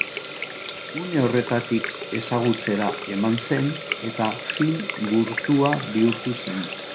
Une horretatik ezagutzera eman zen eta film gurtua bihurtu zen.